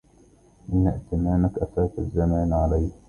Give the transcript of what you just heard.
إن ائتمانك آفات الزمان على